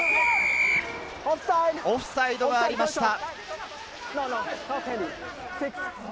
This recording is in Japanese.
オフサイドがありました。